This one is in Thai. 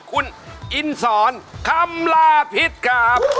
คุณอินทร์สอนคำลาพิษค่ะ